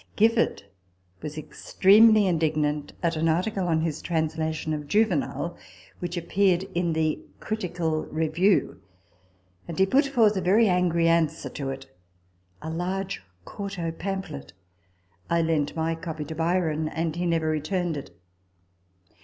Gifford was extremely indignant at an article on his translation of Juvenal which appeared in The Critical Review ; and he put forth a very angry 164 RECOLLECTIONS OF THE answer to it, a large quarto pamphlet. I lent my copy to Byron, and he never returned it.